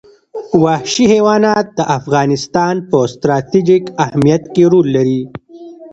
وحشي حیوانات د افغانستان په ستراتیژیک اهمیت کې رول لري.